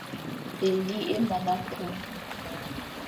Éli é mana kum.